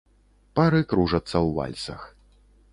Пары кружацца ў вальсах.